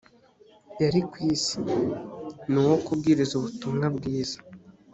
yari ku isi ni uwo kubwiriza ubutumwa bwiza